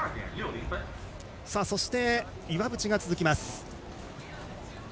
そして、岩渕が続きます。